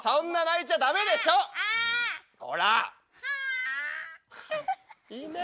いいね！